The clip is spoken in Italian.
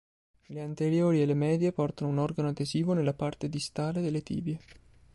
Le anteriori e le medie portano un organo adesivo nella parte distale delle tibie.